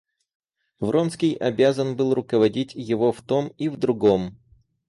Вронский обязан был руководить его в том и в другом.